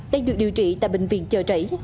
đang được điều trị tại bệnh viện chờ rẫy